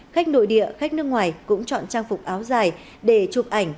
khách nội địa khách nước ngoài cũng chọn trang phục áo dài để chụp ảnh